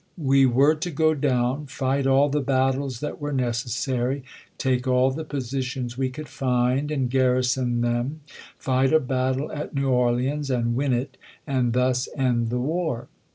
" We were to go down, fight all the battles that were neces SimoilJ', sary, take all the positions we could find, and gar SSm* rison them, fight a battle at New Orleans and win "h^con^ it, and thus end the war."